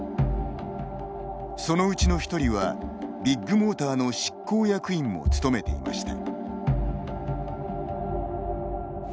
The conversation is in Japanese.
そのうちの１人はビッグモーターの執行役員も務めていました。